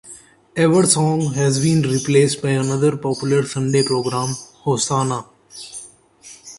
"Evensong" has been replaced by another popular Sunday program, "Hosanna".